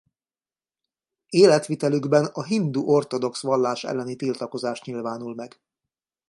Életvitelükben a hindu ortodox vallás elleni tiltakozás nyilvánul meg.